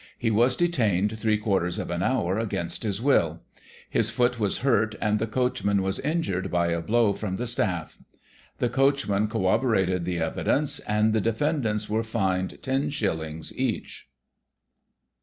He was detained three quarters of an hour, against his will. His Digitized by Google 12^ GOSSIP. [1840 foot was hurt, and the coachman was injured by a blow from the " staif." The coachman corroborated the evidence, and the de fendants were fined ten shillings each.